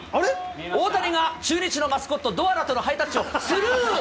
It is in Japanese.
大谷が中日のマスコット、ドアラとのハイタッチをスルー。